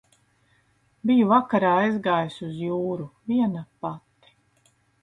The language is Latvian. Biju vakarā aizgājusi uz jūru. Viena pati.